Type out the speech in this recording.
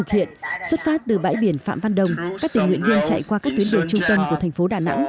hiện xuất phát từ bãi biển phạm văn đồng các tình nguyện viên chạy qua các tuyến đường trung tâm của thành phố đà nẵng